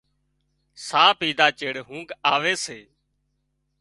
ساهَه پيڌا ٿي اونگھ آوي سي